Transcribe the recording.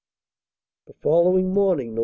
The following morning, Nov.